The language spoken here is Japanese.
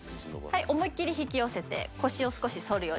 思いっきり引き寄せて腰を少し反るように胸張ります。